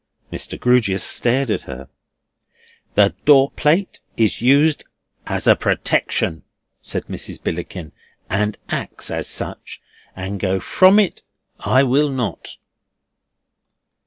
Mr. Grewgious stared at her. "The door plate is used as a protection," said Mrs. Billickin, "and acts as such, and go from it I will not."